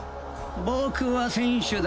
僕は選手だ。